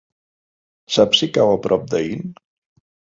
Saps si cau a prop d'Aín?